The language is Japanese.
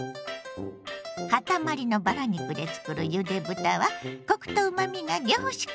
かたまりのバラ肉でつくるゆで豚はコクとうまみが凝縮。